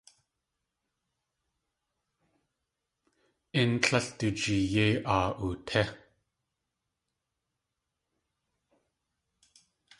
Ín tléil du jee yéi aa utí.